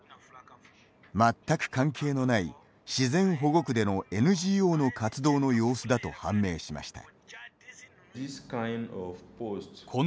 全く関係のない自然保護区でのＮＧＯの活動の様子だと判明しました。